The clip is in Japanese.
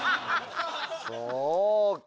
そうか。